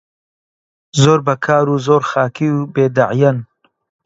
زۆر بەکار و زۆر خاکی و بێدەعیەن